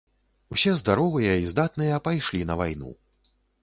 Усе здаровыя і здатныя пайшлі на вайну.